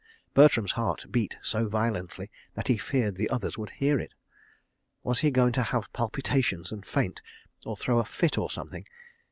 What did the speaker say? Bertram's heart beat so violently that he feared the others would hear it. Was he going to have "palpitations" and faint, or throw a fit or something?